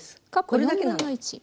これだけなの。